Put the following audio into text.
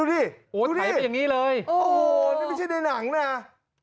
ดูนี่โอ้โฮนี่ไม่ใช่ในหนังนะดูนี่ถ่ายไปอย่างนี้เลย